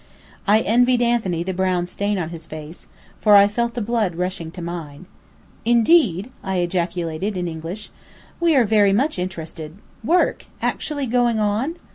I envied Anthony the brown stain on his face, for I felt the blood rushing to mine. "Indeed!" I ejaculated in English. "We are very much interested. Work actually going on!"